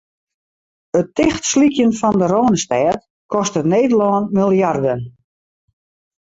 It tichtslykjen fan de Rânestêd kostet Nederlân miljarden.